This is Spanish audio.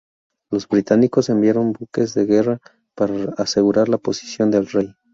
Los británicos enviaron buques de guerra para asegurar la posición del rey.